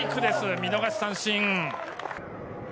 見逃し三振。